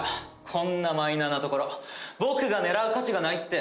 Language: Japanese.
こんなマイナーなところ僕が狙う価値がないって。